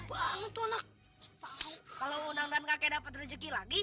hai yang cuatro